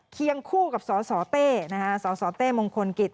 เคียงคู่กับสสเต้สสเต้มงคลกิจ